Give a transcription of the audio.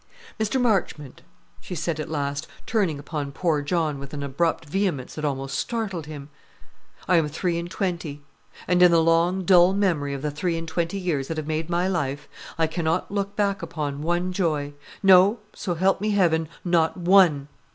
"Mr. Marchmont," she said at last, turning upon poor John with an abrupt vehemence that almost startled him, "I am three and twenty; and in the long, dull memory of the three and twenty years that have made my life, I cannot look back upon one joy no, so help me Heaven, not one!"